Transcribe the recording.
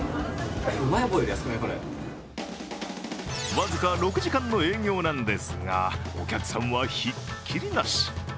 僅か６時間の営業なんですが、お客さんはひっきりなし。